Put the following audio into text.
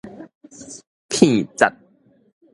片節